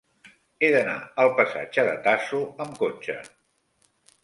He d'anar al passatge de Tasso amb cotxe.